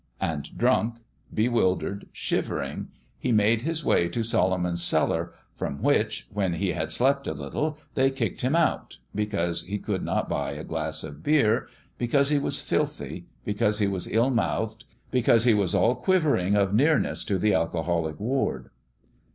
And drunk, bewildered, shivering, he made his way to Solomon's Cellar, from which, when he had slept a little, they kicked him out, because he could not buy a glass of beer, because he was filthy, because he was ill mouthed, because he was all quivering of nearness to the alcoholic ward.